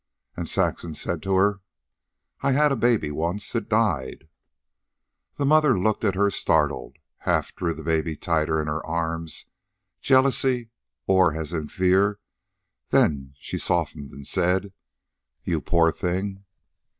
And Saxon said to her: "I had a baby once. It died." The mother looked at her, startled, half drew the baby tighter in her arms, jealously, or as if in fear; then she softened as she said: "You poor thing."